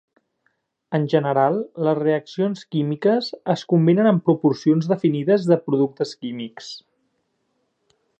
En general, les reaccions químiques es combinen en proporcions definides de productes químics.